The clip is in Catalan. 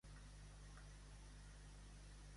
Un muntó són tres.